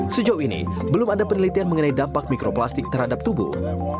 sejauh ini belum ada penelitian mengenai dampak mikroplastik terhadap tubuh